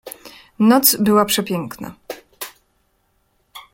"Noc była przepiękna."